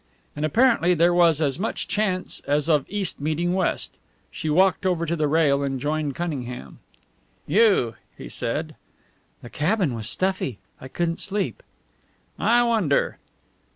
And apparently there was as much chance as of east meeting west. She walked over to the rail and joined Cunningham. "You?" he said. "The cabin was stuffy. I couldn't sleep." "I wonder."